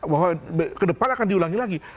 bahwa kedepan akan diulangi lagi